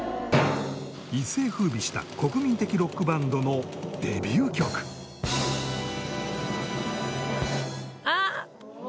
一世風靡した国民的ロックバンドのデビュー曲あっ！